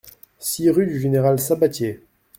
six rue du Général Sabatier